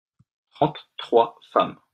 trente trois femmes.